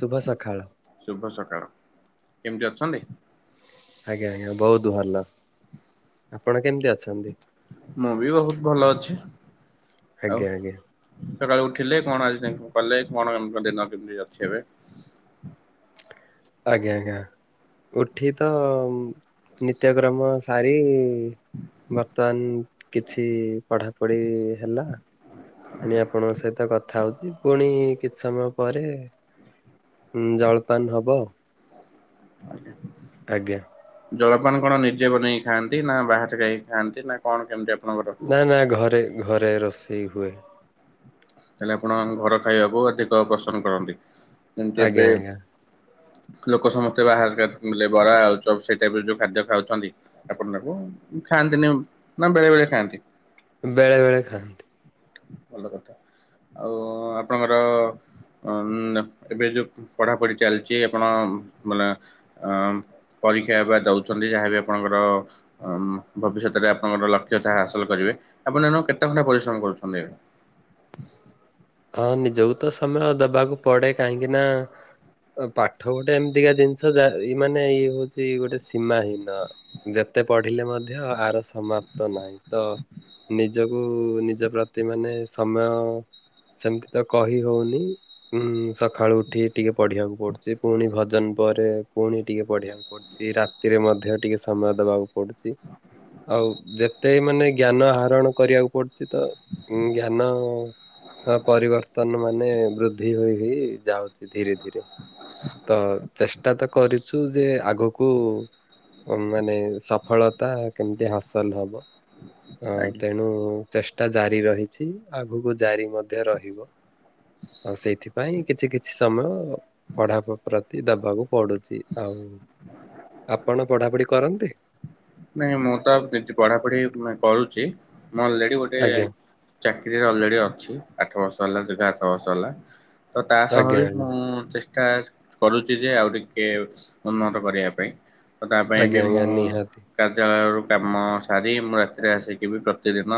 ଶୁଭ ସକାଳ। ଶୁଭ ସକାଳ, କେମିତି ଅଛନ୍ତି? ଆଜ୍ଞା ଆଜ୍ଞା ବହୁତ ଭଲ, ଆପଣ କେମିତି ଅଛନ୍ତି? ମୁଁ ବି ବହୁତ ଭଲ ଅଛି। ଆଜ୍ଞା ଆଜ୍ଞା। ସକାଳେ ଉଠିଲେ କଣ ଆ କଲେ କଣ ଦିନ କେମିତି ଅଛି, ଏବେ? ଆଜ୍ଞା ଆଜ୍ଞା। ଉଠି ତ ନିତ୍ୟକ୍ରମ ସାରି ବର୍ତ୍ତମାନ କିଛି ପଢାପଢି ହେଲା ପୁଣି ଆପଣଙ୍କ ସହିତ କଥା ହଉଛି, ପୁଣି କିଛି ସମୟ ପରେ ଉ ଜଳପାନ ହବ ଆଜ୍ଞା। ଆଜ୍ଞା ଜଳପାନ କଣ ନିଜେ ବନେଇକି ଖାଆନ୍ତି, ନା ବାହାରେ ଯାଇକି ଖାଆନ୍ତି ନା କଣ କେମିତି? ଆପଣଙ୍କର? ନା ନା ଘରେ ଘରେ ରୋଷେଇ ହୁଏ। ତାେଲେ ଆପଣ ଘର ଖାଇବାକୁ ଅଧିକ ପସନ୍ଦ କରନ୍ତି, ଯେମିତି ଆଜ୍ଞା ଏବେ ଆଜ୍ଞା [inaudible] ଲୋକ ସମସ୍ତେ ବାହାର ବରା, ଆଉ ସେଇ ଟାଇପ ଯୋଉ ଖାଦ୍ୟ ଖାଉଛନ୍ତି, ଆପଣ ତାକୁ ଖା ଖ ନା ବେଳେ ବେଳେ ଖାଆନ୍ତି? ବେଳେ ବେଳେ ଖାଆନ୍ତି! ଭଲ କଥା ଆଉ ଆପଣଙ୍କର ହ ଏବେ ଯୋଉ ପଢାପଢି ଚାଲିଛି ଆପଣ ମାନେ ଅ ପରୀକ୍ଷାବା ଦେଉଛନ୍ତି ଯାହାବି ଆପଣଙ୍କର ଭବିଷ୍ୟତରେ ଆପଣଙ୍କର ଲକ୍ଷ୍ୟ ତାହା ହାସଲ କରିବେ ଆପଣ ଏନ କେତେ ଖଣ୍ଟା ପରିଶ୍ରମ କରୁଛନ୍ତି? ହଁ ନିଜକୁ ତ ସମୟ ଦବାକୁ ପଡେ କାହିଁକି ନା ପାଠ ଗୋଟେ ଏମିତିକା ଜିନିଷ ଯା ଇ ମାନେ ଇଏ ହଉଛି, ଗୋଟେ ସୀମାହୀନ ମତେ ପଢିଲେ ମଧ୍ୟ ଆର ସମାପ୍ତ ନାହିଁ ତ ନିଜକୁ ନିଜ ପ୍ରତି ମାନେ ସମୟ ସେମିତି ତ କହି ହଉନି, ଉଁ ସକାଳୁ ଉଠି ଟିକେ ପଢିବାକୁ ପଡୁଛି ପୁଣି ଭଜନ ପରେ ପୁଣି ଟିକେ ପଢିବାକୁ ପଡୁଛି, ରାତିରେ ମଧ୍ୟ ଟିକେ ସମୟ ଦବାକୁ ପଡୁଛି ଆଉ ଯେତେ ମାନେ ଜ୍ଞାନ ଆହରଣ କରିବାକୁ ପଡୁଛି ତ ଉ ଜ୍ଞାନ ପରିବର୍ତ୍ତନ ମାନେ ବୃଦ୍ଧି ହୋଇ ହୋଇ ଯାଉଛି ଧୀରେ ଧୀରେ ତ ଚେଷ୍ଟା ତ କରିଛୁ ଯେ ଆଗକୁ ମାନେ ସଫଳତା କେମିତି ହାସଲ ହବ। ଅ ଆଜ୍ଞା ତେଣୁ ଚେଷ୍ଟା ଜାରି ରହିଛି, ଆଗକୁ ଜାରି ମଧ୍ୟ ରହିବ। ଆଉ ସେଇଥିପାଇଁ କିଛି କିଛି ସମୟ ପଢା ପ୍ରତି ଦବାକୁ ପଡୁଛି ଆଉ। ଆପଣ ପଢାପଢି କରନ୍ତି! ନାଇଁ ମୁଁ ତ ପଢାପଢି କରୁଛି ମୁଁ ଅଲରେଡି ଗୋଟେ ଆଜ୍ଞା ଚାକିରିରେ ଅଲରେଡି ଅଛି, ଆଠ ବର୍ଷ ଲା ଘାସ ବସଲା ତ ତା ସହ ଆଜ୍ଞା ବି ଆଜ୍ଞା ମୁଁଷ୍ଟ କରୁଛି ଯେ ଆଉ ଟିକେ ଉନ୍ନତ କରିବା ପାଇଁ। ତ ତା ପାଇଁ ଆଜ୍ଞା ବି ଆଜ୍ଞା ମୁଁ ନିହାତି କାର୍ଯ୍ୟାଳୟରୁ କାମ ସାରି ମୁଁ ରାତିରେ ଆସିକିିବ ପ୍ରତିଦିନ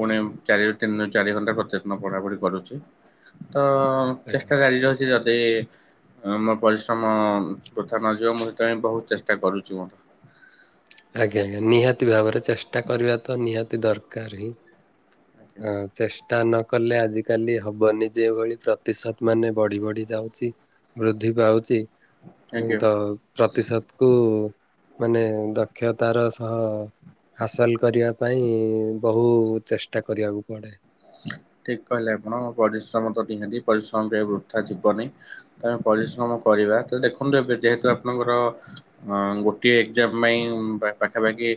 ପୁଣି ଚାରିରୁ ତିନିରୁ ଚାରି ଘଣ୍ଟା କରତ ପଢାପଢି କରୁଛି ତ ଆଜ୍ଞା। ଚେଷ୍ଟା କରିଉଛି ମୋ ପରିଶ୍ରମ ତଥା ନଯିବ, ମୁଁ ସେଥିପାଇଁ ବହୁତ ଚେଷ୍ଟା କରୁଛି ମୋର। ଆଜ୍ଞା ଆଜ୍ଞା, ନିହାତି ଭାବରେ ଚେଷ୍ଟା କରିବା ତ ନିହାତି ଦରକାର ହିଁ। ଆଜ୍ଞା ହ ଚେଷ୍ଟା ନ କଲେ ଆଜିକାଲି ହବନି ଯେଭଳି ପ୍ରତିଶତ ମାନେ ବଢି ବଢି ଯାଉଛି ବୃଦ୍ଧି ପାଉଛି ଆଜ୍ଞା। ତ ପ୍ରତିଶତ କୁ ମାନେ ଦକ୍ଷତାର ସହ ହାସଲ କରିବା ପାଇଁ ବହୁ ଚେଷ୍ଟା କରିବାକୁ ପଡେ। ଠିକ କହିଲେ ଆପଣ, ପରିଶ୍ରମ ତ ନିହାତି ପରିଶ୍ରମ ପାଇଁ ବୃଥା ଯିବନି ତମେ ପରିଶ୍ରମ କରିବା, ତ ଦେଖନ୍ତୁ ଏବେ ଯେହେତୁ ଆପଣଙ୍କର ହଁ ଗୋଟିଏ ଏକ୍ଜାମ୍ ପାଇଁ ପାଖାପାଖି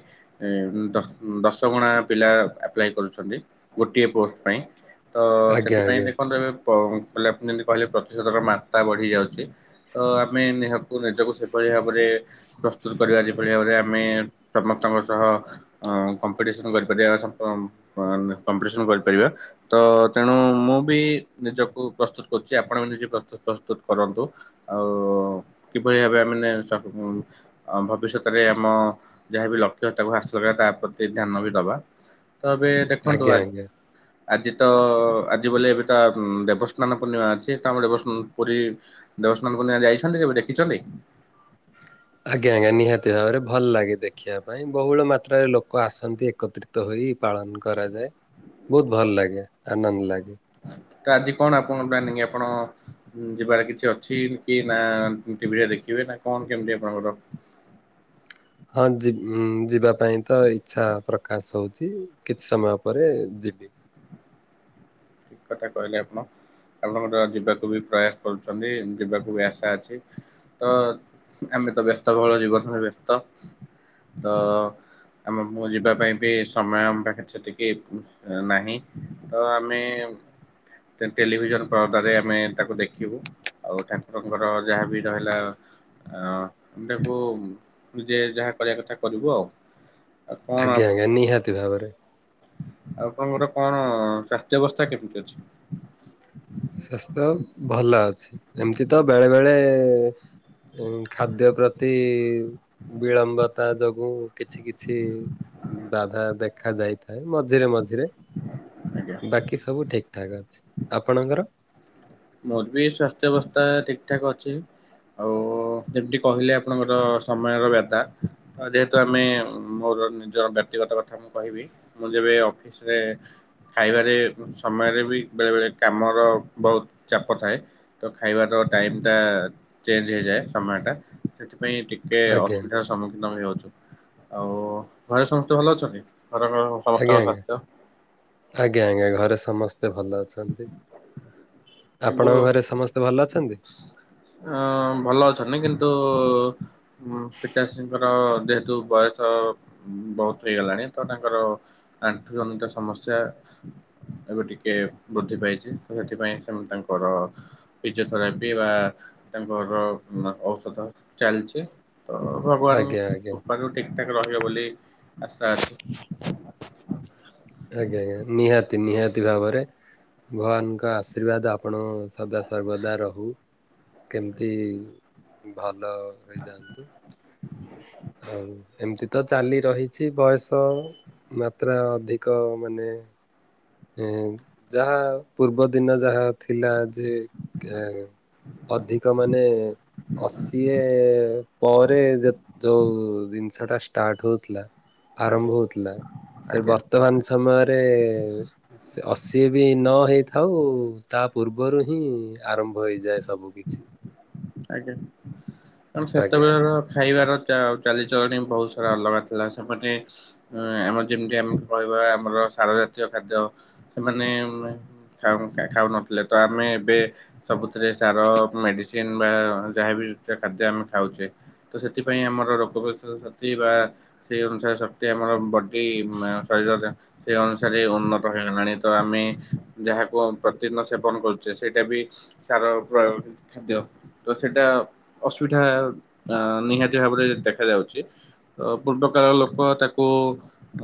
ଦଶ୍ ଦଶଗୁଣା ପିଲା ଆପ୍ଲାଏ କରୁଛନ୍ତି। ଗୋଟିଏ ପୋଷ୍ଟ ପାଇଁ, ତ ଆଜ୍ଞା ସେଥିପାଇଁ ଆଜ୍ଞା ଦେଖନ୍ତୁ ଏବେ ପ ଲାପ୍ ଆପଣ ଯେମିତି କହିଲେ ପ୍ରତିଶୋଧର ମାତ୍ରା ବଢ଼ିଯାଉଚି। ତ ଆମେ ନିହକୁ ନିଜକୁ ସେଭଳି ଭାବରେ ପ୍ରସ୍ତୁତ୍ କରିବା ଯେଭଳି ଭାବରେ ଆମେ ସମସ୍ତଙ୍କ ସହ ଅଁ କମ୍ପିଟିସନ କରିପାରିବା । କାଲି ସପ ଟମ୍ ବାହାରିନେ କମ୍ପିଟିସନ୍ ପାଇଁ କରିବା ତ ତେଣୁ ମୁଁ ବି ନିଜକୁ ପ୍ରସ୍ତୁତ କରୁଚି ଆପଣ ବି ନିଜେ ପ୍ରସ୍ତୁତ ପ୍ରସ୍ତୁତ କର କନ୍ତୁ ଆଉ କିଭଳି ଭାବେ ଆମେ ମାନେ [unintelligible] ଭବିଷ୍ୟତରେ ଆମ ଯାହା ବିି ଲକ୍ଷ୍ୟ ତାକୁ ହାସ କରିବା, ତା ପ୍ରତି ଧ୍ୟାନ ବି ଦବା ତ ଏବେ ଦେଖନ୍ତୁ ଆଜ୍ଞା ଆଜ୍ଞା। ଆଜି ତ ଆଜି ବୋଲି ଏବେ ତ ଦେବସ୍ନାନ ପୂର୍ଣ୍ଣିମା ଅଛି ତାପରେ ଦେବସ୍ନାନ ପୁରୀ ଦେବସ୍ନାନ ପୂର୍ଣ୍ଣିମା ଯାଇଛନ୍ତି। କେବେ ଦେଖିଛନ୍ତି? ଆଜ୍ଞା ଆଜ୍ଞା ନିହାତି ଭାବରେ ଭଲ୍ ଲାଗେ ଦେଖିବା ପାଇଁ ବହୁଳ ମାତ୍ରାରେ ଲୋକ ଆସନ୍ତି ଏକତ୍ରିତ ହୋଇ କି ପାଳନ କରାଯାଏ। ବହୁତ ଭଲ ଲାଗେ, ଆନନ୍ଦ ଲାଗେ। ଆ । ତ ଆଜି କଣ ଆପଣଙ୍କ ପ୍ଲାନିଂ? ଆପଣ ଯିବାର କିଛି ଅଛି କି, ନା ଟିଭିରେ ଦେଖିବେ । ଡେ ଟା କଣ କେମିତି ଆପଣଙ୍କର [inaudible] ହଁ ଯିବ୍ ଉମ୍ ଯିବା ପାଇଁ ତ ଇଚ୍ଛା ପ୍ରକାଶ ହଉଚି କିଛି ସମୟ ପରେ ଦିବି । ଠିକ୍ କଥା କହିଲେ ଆପଣ। [inaudible] ଆପଣଙ୍କର ଯିବାକୁ ବି ପ୍ରୟାସ କରୁଛନ୍ତି, ଯିବାକୁ ବି ଆଶା ଅଛି। ତ ଆମେ ତ ବ୍ୟସ୍ତବହୁଳ ଜୀବନରେ ବ୍ୟସ୍ତ। [inaudible] ତ ଆମ ମୁଁ ଯିବା ପାଇଁ ବି ସମୟ ଆମ ପାଖରେ ସେତିକି ନାହିଁ। ତ ଆମେ [inaudible] ଟେ ଟେଲିଭିଜନ ପରଦାରେ ଆମେ ତାକୁ ଦେଖିବୁ, ଆଉ ଠାକୁରଙ୍କର ଯାହାବି ରହିଲା। କାରଣ୍ ତାକୁ ନିଜେ ଯାହା କରିଆ କଥା କରିବୁ ଆଉ। ଆଉ କଣ ଆଜ୍ଞା ଆଜ୍ଞା, ନିହାତି ଭାବରେ। ଆପଣଙ୍କର କଣ ସ୍ୱାସ୍ଥ୍ୟ ଅବସ୍ଥା କେମିତି ଅଛି? [inaudible] ସ୍ୱାସ୍ଥ୍ୟ ଭଲ ଅଛି, ଏମିତି ତ ବେଳେ ବେଳେ ଇଙ୍ଗ୍ ଖାଦ୍ୟ ପ୍ରତି ବିଳମ୍ବତା ଯୋଗୁ କିଛି କିଛି ବାଧା ଦେଖା ଯାଇଥାଏ। ମଝିରେ ମଝିରେ। ଆଜ୍ଞା। [inaudible] ବାକି ସବୁ ଠିକ ଠାକ୍ ଅଛି। ଆପଣଙ୍କର ମୋର ବି ସ୍ୱାସ୍ଥ୍ୟ ବ୍ୟସ୍ଥା ଠିକ୍ ଠାକ୍ ଅଛି। ଆଉ ଯେମିତି କହିଲେ ଆପଣଙ୍କର ସମୟର ବ୍ୟଥା, ଯେହେତୁ ଆମେ ର ନିଜର ବ୍ୟକ୍ତିଗତ କଥା ମୁଁ କହିବି, ମୁଁ ଯେବେ ଅଫିସରେ ଖାଇବାରେ, ସମୟରେ ବି ବେଳେ ବେଳେ କାମର ବହୁତ୍ ଚାପ ଥାଏ, ତ ଖାଇବାର ଟାଇମ ଟା ଚେଞ୍ଜ ହେଇଯାଏ। ସମୟଟା ସେଠି ପାଇଁ ଟିକେ ଆଜ୍ଞା ଅସୁବିଧାର ସମ୍ମୁଖୀନ ହୋଇଅଛୁ। ଆଉ ଘରେ ସମସ୍ତେ ଭଲ ଅଛନ୍ତି? ଘରର ଆଜ୍ଞା ସମସ୍ତଙ୍କ ଆଜ୍ଞା, ସ୍ୱାସ୍ଥ୍ୟ ଆଜ୍ଞା ଆଜ୍ଞା ଘରେ ସମସ୍ତେ ଭଲ ଅଛନ୍ତି। କିନ୍ତୁ ଆପଣଙ୍କ [inaudible] ଘରେ ସମସ୍ତେ ଭଲ ଅଛନ୍ତି? ଅଁ ଭଲ ଅଛନ୍ତି କିନ୍ କିନ୍ତୁ, ପିତାଶ୍ରୀଙ୍କର ଯେହେତୁ ବୟସ ବହୁତ ହେଇଗଲାଣି ତ ତାଙ୍କର ଆଣ୍ଠୁ ଜନିତ ସମସ୍ୟା [inaudible] ଏବେ ଟିକେ ବୃଦ୍ଧି ପାଇଛି, ତ ସେଥିପାଇଁ ସେମ ତାଙ୍କର ଫିଜିଓଥେରାପି ବା ତାଙ୍କର ମ୍ ଔଷଧ ଚାଲଚି। ତ ଆଜ୍ଞା ଭଗବାନଙ୍କ ଆଜ୍ଞା କୃପାରୁ ଟି ଠିକ୍ ଠାକ୍ ରହିବ ବୋଲି ଆସା ଅଛି। [unintelligible] ଆଜ୍ଞା ଆଜ୍ଞା ନିହାତି ନିହାତି ଭାବରେ, ଭଗବାନଙ୍କ ଆଶୀର୍ବାଦ ଆପଣ ସଦା ସର୍ବଦା ରହୁ, କେମିତି ଭଲ୍ ଭଲ ହେଇଯାଆନ୍ତୁ [unintelligible] ଆଉ ଏମତି ତ ଚାଲି ରହିଛି, ବୟସ ମାତ୍ରା ଅଧିକ ମାନେ ଏଁ, ଯାହା ପୂର୍ବ ଦିନ ଯାହା ଥିଲା ଯେ କେଁ ଅଧିକ ମାନେ ଅ ସିଏ ପରେ ଯୋଉ ଜିନିଷ ଟା ଷ୍ଟାର୍ଟ ହଉଥିଲା। ଆରମ୍ଭ ଆଜ୍ଞା ହଉଥିଲା। ସେ ଆଜ୍ଞା ବର୍ତ୍ତମାନ ସମୟରେ ଅ ସିଏ ବି ନ ହେଇଥାଉ। ତା ପୂର୍ବରୁ ହିଁ ଆରମ୍ଭ ହୋଇଯାଏ। ଆଜ୍ଞା। କଣ ଆଜ୍ଞା ସେତେବେଳ ଆଜ୍ଞା। ଖାଇବା ଚାଲିଚଳଣି ବହୁତ ସାରା ଅଲଗା ଥିଲା। ସେ ମାନେ ଆମର ଯେମିତି ଆମେ କହିବା ଆମର ସାର ଜାତୀୟ ଖାଦ୍ୟ ସେମାନେ ଖାଉ ଖାଉନଥିଲେ। ତ ଆମେ ଏବେ ସବୁଥିରେ ତାର ମେଡିସିନ୍ ବା ଯାହାବି ଖାଦ୍ୟ ଆମେ ଖାଉଛେ। ତ ସେଥିପାଇଁ ଆମର ରୋଗ ଶକ୍ତି ବା ସେ ଅନୁସାରେ ଶକ୍ତି ଆମର ବଡି ଶରୀ ସେ ଅନୁସାରେ ଉନ୍ନତ ହେଇଗଲାଣି। ତ ଆମେ ଯାହାକୁ ପ୍ରତିଦିନ ସେବନ କରୁଛେ। ସେଇଟା ବି ସାର ପ୍ରୟୋଗ ଖାଦ୍ୟ ତ ସେଇଟା ଅସୁବିଧା ନିହାତି ଭାବରେ ଦେଖାଯାଉଛି। ଚେ ତ ପୂର୍ବ କାଳର ଲୋକ ତାକୁ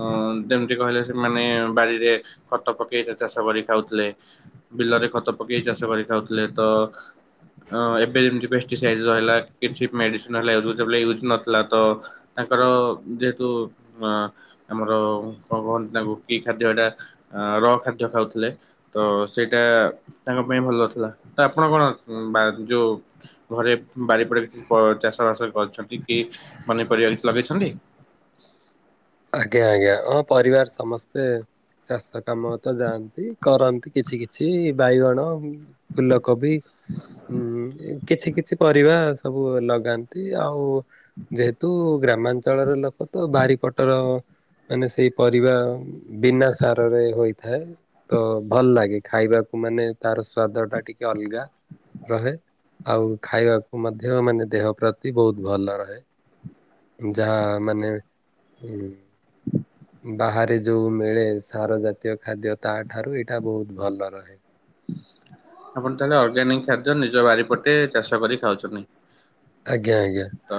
ଅ ଯେମିତି କହିଲେ ସେମାନେ ବାରିରେ ଖ ଖତ ପକେଇ ଚାଷ କରି ଖାଉଥିଲେ। ବିଲରେ ଖତ ପକେଇ ଚାଷ କରି ଖାଉଥିଲେ। ତ ଅଁ ଏବେ ଯେମିତି ପେଷ୍ଟିସିଆଇଡ୍ ରହିଲା। କିଛି ମେଡିସିନ୍ ହେ ୟୁଜ୍ ନଥିଲା। ତ ତାଙ୍କ ତ ଯେହେତୁ ଆମର କଣ କି ଖାଦ୍ୟ ହେଟା ଆ ର ଖାଦ୍ୟ ଖାଉଥିଲେ। ତ ସେଇଟା ତାଙ୍କ ପାଇଁ ଭଲଥିଲା। ତା ଆପଣ କଣ ବା ଯୋଉ ଘରେ ବାରିପଡା କିଛି ଚାଷ ବାସ କରିଛନ୍ତି କି? ପନିପରିବା କିଛି ଲଗେଇଛନ୍ତି। ଆଜ୍ଞା ଆଜ୍ଞା ହଁ ପରିବାର ସମସ୍ତେ ଚାଷ କାମ ତ ଯାଆନ୍ତି କରନ୍ତି। କିଛି କିଛି ବାଇଗଣ ଫୁଲକୋବି ଉଁ ଏ କିଛି କିଛି ପରିବା ସବୁ ଲଗାନ୍ତି। ଆଉ ଯେହେତୁ ଗ୍ରାମାଞ୍ଚଳର ଲୋକ ତ ବାରିପଟର ମାନେ ସେଇ ପରିବା ବିନା ସାରରେ ହୋଇଥାଏ। ତ ଭଲ ଲାଗେ ଖାଇବାକୁ। ତା ମାନେ ତାର ସ୍ଵାଦ ଟା ଟିକେ ଅଲଗା ରହେ। ଆଉ ଖାଇବାକୁ ମଧ୍ୟ ମାନେ ଦେହ ପ୍ରତି ବହୁତ ଭଲ ରହେ। ଯାହା ମାନେ ଉ ବାହାରେ ଯୋଉ ମିଳେ। ସାର ଜାତୀୟ ଖାଦ୍ୟ ତାଠାରୁ ଏଇଟା ବହୁତ ଭଲ ରହେ। ଆପଣ ତାହେଲେ ଅର୍ଗାନିକ ଖାଦ୍ୟ ନିଜ ବାରି ପଟେ ଚାଷ କରି ଖାଉଛନ୍ତି। ଆଜ୍ଞା ଆଜ୍ଞା ତ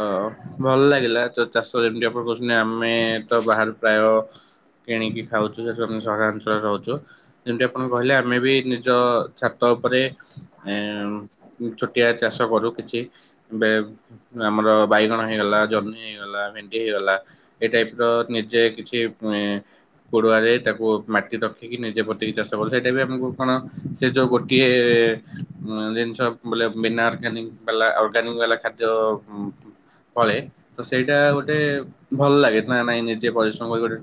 ଭଲ ଲାଗ ଥିଲା ତ ଚାଷ ଯେମତି ଆପଣ କହୁଛନ୍ତି। ଆମେ ତ ବାହାରେ ପ୍ରାୟ କିଣିକି ଖାଉଛୁ ସେଠୁ ଆମେ ସହରାଞ୍ଚଳରେ ରହୁଛୁ। ଯେମତି ଆପଣ କହିଲେ ଆମେ ବି ନିଜ ଛା ତ ଉପରେ ଛୋଟିଆ ଚାଷ କରୁ। କିଛି ବେ ଆମ ଆମର ବାଇଗଣ ହେଇଗଲା। ଜହ୍ନି ହେଇଗଲା ଭେଣ୍ଡି ହେଇଗଲା। ଏଇ ଟାଇପ୍ ର ନିଜେ କିଛି କୋଡୁଆରେ ତାକୁ ମାଟି ରଖିକି ନିଜେ ବତିକି ଚାଷ କଲେ ସେଇଟା ବି ଆମକୁ କଣ ସେ ଯୋଉ ଗୋ କିଏ ଜିନିଷ ବୋ ବିନା ଅଗାନ ବାଲା ଅର୍ଗାନିକ ବାଲା ଖାଦ୍ୟ କଳେ ତ ସେଇଟା ଗୋଟେ ଭଲ ଲାଗେ। ନା ନାଇଁ ନିଜେ ପରିଶ୍ରମ କରି ଗୋଟେ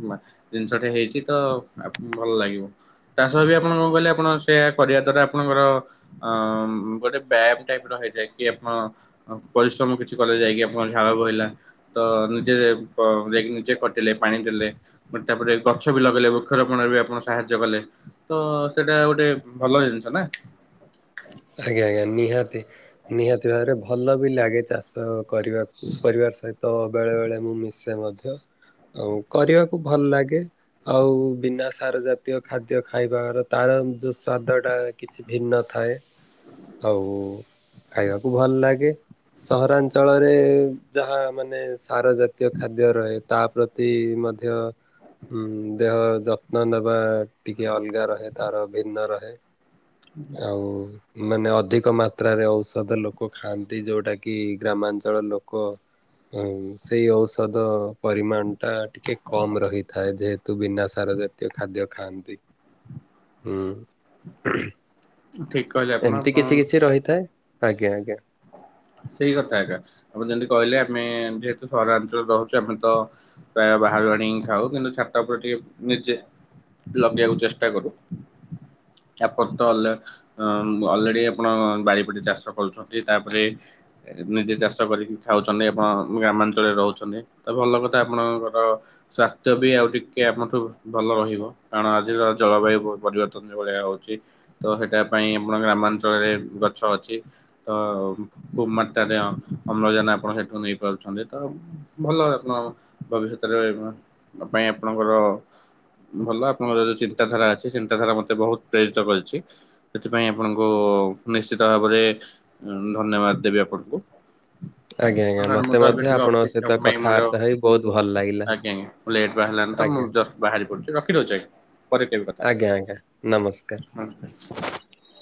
ଜିନିଷଟେ ହେଇଛି ତ ଭଲ ଲାଗିବ। ଚାଷ ବି ଆପଣ କଣ କହିଲେ ଆପଣ ସେଆ କରିବା ଦ୍ୱାରା ଆପଣଙ୍କର ଗୋଟେ ବ୍ୟାମ୍ ଟାଇପ୍ ର ହେଇଯାଏ। କି ଆପଣ ପରିଶ୍ରମ କିଛି କଲେ ଯାଇକି ଆପଣ ଝାଳ ବହିଲା। ତ ନିଜେ ନିଜେ ଖଟିଲେ ପାଣି ଦେଲେ। ତାପରେ ଗଛ ବି ଲଗେଇଲେ। ବୃକ୍ଷରୋପଣରେ ବି ଆପଣ ସାହାଯ୍ୟ କଲେ। ତ ସେଇଟା ଗୋଟେ ଭଲ ଜିନିଷ ନା। ଆଜ୍ଞା ଆଜ୍ଞା ନିହାତି ନିହାତି ଭାବରେ ଭଲ ବି ଲାଗେ। ଚାଷ କରିବାକୁ ପରିବାର ସହିତ ବେଳେ ବେଳେ ମୁଁ ମିଶେ ମଧ୍ୟ। ଆଉ କରିବାକୁ ଭଲ ଲାଗେ। ଆଉ ବିନା ସାର ଜାତୀୟ ଖାଦ୍ୟ ଖାଇବା ତାର ଯୋଉ ସ୍ଵାଦ ଟା କିଛି ଭିନ୍ନ ଥାଏ। ଆଉ ଖାଇବାକୁ ଭଲ ଲାଗେ। ସହରାଞ୍ଚଳରେ ଯାହା ମାନେ ସାର ଜାତୀୟ ଖାଦ୍ୟ ରହେ। ତା ପ୍ରତି ମଧ୍ୟ ହଁ ଦେହର ଯତ୍ନ ନବା ଟିକେ ଅଲଗା ରହେ ତାର ଭିନ୍ନ ରହେ। ଆଉ ମାନେ ଅଧିକ ମାତ୍ରାରେ ଔଷଧ ଲୋକ ଖାଆନ୍ତି ଯୋଉଟା କି ଗ୍ରାମାଞ୍ଚଳ ଲୋକ ହଁ ସେଇ ଔଷଧ ପରିମାଣ ଟା ଟିକେ କମ ରହିଥାଏ ଯେହେତୁ ବିନା ସାର ଜାତୀୟ ଖାଦ୍ୟ ଖାଆନ୍ତି। ହୁଁ। ଠିକ। କହିଲେ ଆପଣ ଏମିତି ଆପଣ କିଛି କିଛି ରହିଥାଏ ଆଜ୍ଞା ଆଜ୍ଞା। ସେଇ କଥା ଏକା ଆମ ଯେମିତି କହିଲେ ଆମେ ଯେହେତୁ ସହରାଞ୍ଚଳରେ ରହୁଚୁ ଆମେ ତ ପ୍ରାୟ ବାହାରୁ ଆଣିକି ଖାଉ କିନ୍ତୁ ଛାତ ଉପରେ ଟିକେ ନିଜେ ଲଗେଇବାକୁ ଚେଷ୍ଟା କରୁ। ତାପରେ ତ ଅଲା ଅନ୍ ଅଲଡି ଆପଣ ବାରିପଟେ ଚାଷ କରୁଚନ୍ତି ତାପରେ ନିଜେ ଚାଷ କରିକି ଖାଉଚନ୍ତି ଆପଣ ଗ୍ରାମାଞ୍ଚଳରେ ରହୁଚନ୍ତି ତ ଭଲ କଥା ଆପଣଙ୍କର ର ସ୍ୱାସ୍ଥ୍ୟ ବି ଆଉ ଟିକେ ଆମଠୁ ଭଲ ରହିବ କାରଣ ଆଜିିର ଜଳବାୟୁ ପ ପରିବର୍ତ୍ତନ ଯୋ ପଳେଆ ହଉଚି ତ ସେଟା ପାଇଁ ଆପଣ ଗ୍ରାମାଞ୍ଚଳରେ ଗଛ ଅଛି ତ ଖୁବ ମାତ୍ରାରେ ଅ-ଅମ୍ଳଜାନ ଆପଣ ସେଠୁ ନେଇପାରୁଛନ୍ତି ତ ଭଲ ଆପଣ ଭବି ଶ୍ୟତ ରହିବ ପାଇଁ ଆପଣଙ୍କର ଭଲ ଆପଣଙ୍କର ଯୋଉ ଚିନ୍ତାଧାରା ଅଛି ଚିନ୍ତାଧାରା ମତେ ବହୁତ ପ୍ରେରିତ କରିଛି ସେଥିପାଇଁ ଆପଣଙ୍କୁ ହଉ ନିଶ୍ଚିତ ଭାବରେ ଧନ୍ୟବାଦ ଦେବି ଆପଣଙ୍କୁ। ଆଜ୍ଞା ଆଜ୍ଞା ମୁଁ ମତେ ତ ମଧ୍ୟ ଟିକେ ଆପଣଙ୍କ ଅଫିସ ସହିତ ପାଇଁ ମୋର କଥାବାର୍ତ୍ତା ହେଇ ବହୁତ ଭଲ ଲାଗିଲା ଆଜ୍ଞା ଆଜ୍ଞା। ମୁ ଲେଟ ବାହାରିଲି। ହେଲାନି ତ ମୁଁ ଆଜ୍ଞା ଜଷ୍ଟ ବାହାରି ପଡୁଚି ରଖିଦଉଚି ଆଜ୍ଞା। ପରେ କେବେ କଥାହବା ଆଜ୍ଞା ଆଜ୍ଞା ନମସ୍କାର। ନମସ୍କାର୍।